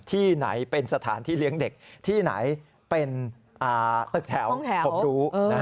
ที่ไหนเป็นสถานที่เลี้ยงเด็กที่ไหนเป็นตึกแถวผมรู้